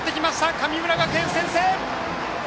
神村学園、先制！